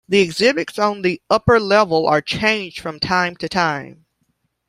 The exhibits on the upper level are changed from time to time.